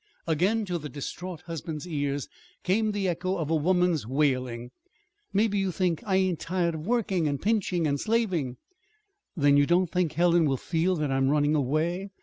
Again to the distraught husband's ears came the echo of a woman's wailing "Maybe you think I ain't tired of working and pinching and slaving " "Then you don't think Helen will feel that I'm running away?"